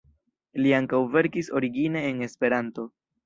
Li ankaŭ verkis origine en Esperanto.